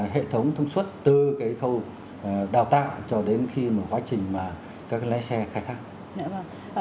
hệ thống thông suốt từ cái khâu đào tạo cho đến khi mà quá trình mà các lái xe khai thác